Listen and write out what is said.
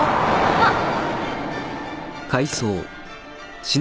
あっ！